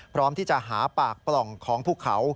พร้อมที่จะหาปากปล่องของภูเขา